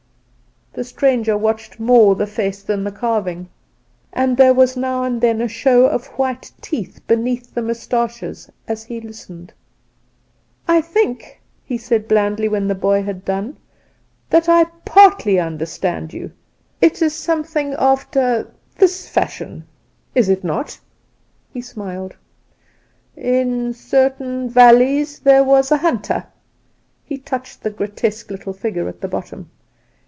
The stranger watched more the face than the carving; and there was now and then a show of white teeth beneath the moustaches as he listened. "I think," he said blandly, when the boy had done, "that I partly understand you. It is something after this fashion, is it not?" (He smiled.) "In certain valleys there was a hunter." (He touched the grotesque little figure at the bottom.)